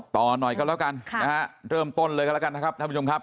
ต่อหน่อยก็แล้วกันนะฮะเริ่มต้นเลยกันแล้วกันนะครับท่านผู้ชมครับ